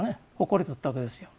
誇りだったわけですよ。